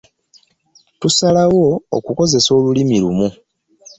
Tusalewo okukozesa olulimi lumu.